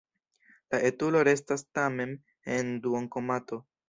La etulo restas tamen en duon-komato.